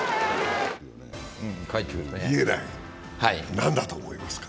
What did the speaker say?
何だと思いますか？